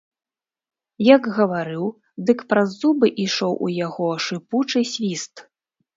Як гаварыў, дык праз зубы ішоў у яго шыпучы свіст.